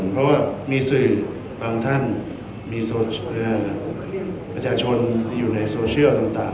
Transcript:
เพราะว่ามีสื่อบางท่านมีประชาชนที่อยู่ในโซเชียลต่าง